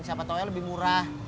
siapa tau ya lebih murah